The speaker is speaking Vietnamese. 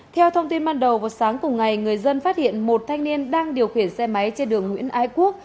theo thông tin ban đầu vào sáng cùng ngày người dân phát hiện một thanh niên đang điều khiển xe máy trên đường nguyễn ái quốc